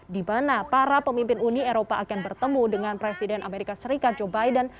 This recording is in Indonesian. di mana para pemimpin uni eropa akan bertemu dengan presiden amerika serikat joe biden